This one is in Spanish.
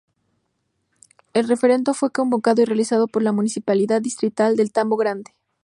El referendo fue convocado y realizado por la Municipalidad Distrital de Tambo Grande.